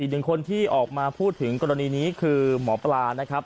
อีกหนึ่งคนที่ออกมาพูดถึงกรณีนี้คือหมอปลานะครับ